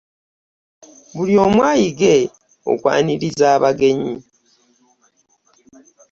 Buli omu ayige okwaniriza abagenyi.